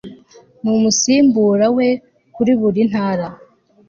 n umusimbura we kuri buri Ntara